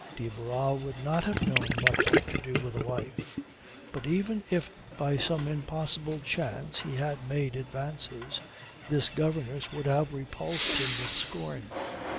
De Barral would not have known what to do with a wife. But even if by some impossible chance he had made advances, this governess would have repulsed him with scorn.